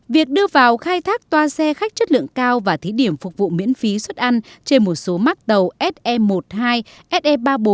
việc đưa vào khai thác toa xe khách chất lượng cao và thí điểm phục vụ miễn phí xuất ăn trên một số mắc tàu se một mươi hai se ba mươi bốn